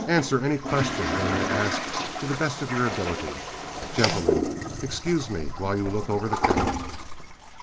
Answer any question they may ask to the best of your ability. Gentlemen, excuse me while you look over the cattle."